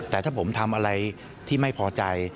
แต่ถ้าผมทำอะไรที่ไม่พอใจ